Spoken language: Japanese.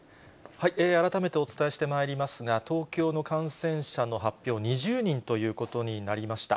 改めてお伝えしてまいりますが、東京の感染者の発表、２０人ということになりました。